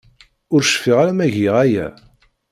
Ur cfiɣ ara ma giɣ aya.